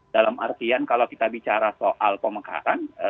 dalam artian kalau kita bicara soal pemekaran